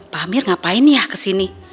pak amir ngapain ya kesini